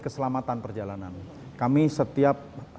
keselamatan perjalanan kami setiap